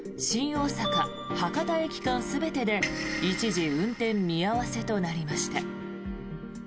大阪博多駅間全てで一時運転見合わせとなりました。